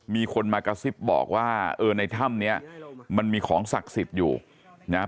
มีคนมากระซิบบอกว่าเออในถ้ำเนี้ยมันมีของศักดิ์สิทธิ์อยู่นะครับ